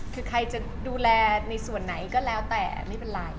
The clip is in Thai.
คือใครจะดูแลในส่วนไหนก็แล้วแต่ไม่เป็นไร